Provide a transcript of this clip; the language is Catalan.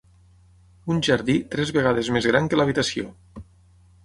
Un jardí tres vegades més gran que l'habitació.